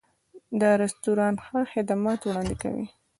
دا رستورانت ښه خدمات وړاندې کوي.